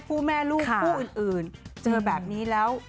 แม่ลูกคู่อื่นเจอแบบนี้แล้ว